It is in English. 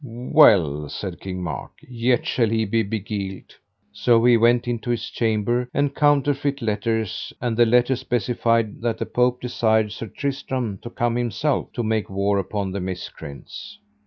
Well, said King Mark, yet shall he be beguiled. So he went into his chamber, and counterfeit letters; and the letters specified that the Pope desired Sir Tristram to come himself, to make war upon the miscreants.